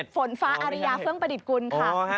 ฝนฟ้าอาริยาเฟื่องประดิษฐ์กุลค่ะ